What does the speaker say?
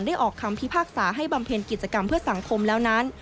ออกคำพิพากษาให้บำเพ็ญกิจกรรมเพื่อสังคมแล้วนั้น